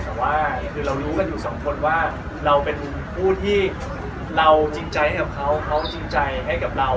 แต่ว่าคือเรารู้กันอยู่สองคนว่าเราเป็นผู้ที่เราจริงใจให้กับเขาเขาจริงใจให้กับเรา